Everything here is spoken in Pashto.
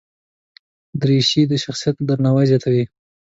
دریشي د شخصیت درناوی زیاتوي.